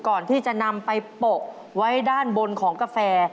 ก่อนที่จะนำไปโปะไว้ด้านบนของกาแฟ